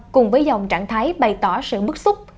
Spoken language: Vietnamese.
cùng với dòng trạng thái bày tỏ sự bức xúc